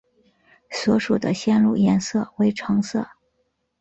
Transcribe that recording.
所属的线路颜色为橙色。